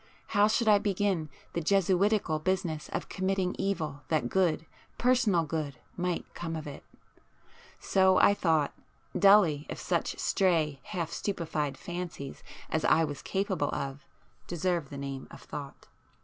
How should I begin the jesuitical business of committing evil that good, personal good, might come of it? So I thought, dully, if such stray half stupefied fancies as I was capable of, deserved the name of thought.